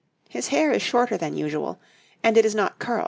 His hair is shorter than is usual, and it is not curled.